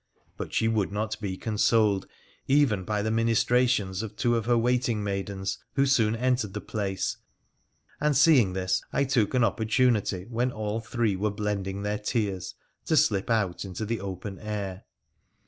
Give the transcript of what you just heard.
But she would not be consoled, even by the ministrations of two of her waiting maidens, who soon entered the place ; and seeing this I took an opportunity when all three were blending their tears to slip out into the open air.